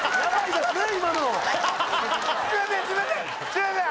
すいません！